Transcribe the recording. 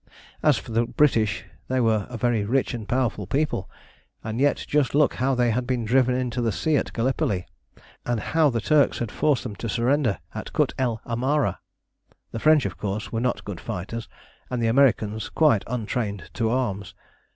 As for the British, they were a very rich and powerful people, and yet just look how they had been driven into the sea at Gallipoli, and how the Turks had forced them to surrender at Kut el Amara. The French, of course, were not good fighters, and the Americans quite untrained to arms.